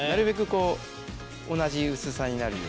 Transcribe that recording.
こう同じ薄さになるように。